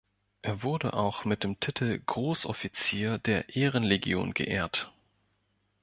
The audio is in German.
Er wurde auch mit dem Titel "Großoffizier" der Ehrenlegion geehrt.